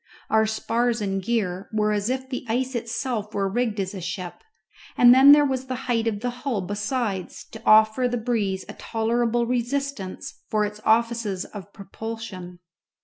Our spars and gear were as if the ice itself were rigged as a ship, and then there was the height of the hull besides to offer to the breeze a tolerable resistance for its offices of propulsion.